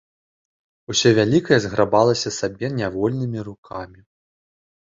Усё вялікае зграбалася сабе нявольнымі рукамі.